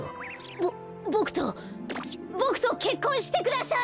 ボボクとボクとけっこんしてください！